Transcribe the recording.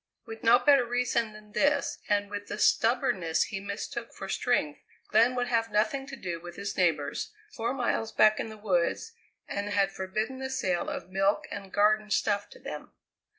With no better reason than this, and with the stubbornness he mistook for strength, Glenn would have nothing to do with his neighbours, four miles back in the woods, and had forbidden the sale of milk and garden stuff to them.